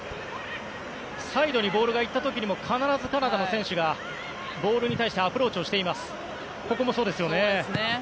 サイドにボールがいった時にもカナダの選手がボールに対してアプローチをしています。